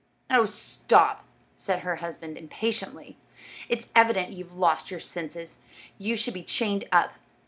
"Oh, stop," said her husband, impatiently; "it's evident you've lost your senses. You should be chained up."